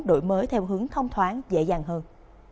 đổi mới theo hướng thông thoáng dễ dàng hơn